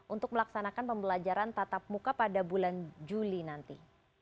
untuk melaksanakan pembelajaran tatap muka pada bulan juli nanti